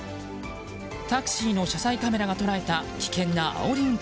タクシーの車載カメラが捉えた危険なあおり運転。